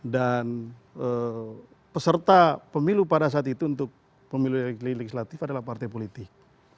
dan peserta pemilu pada saat itu untuk pemilu legislatif adalah partai politik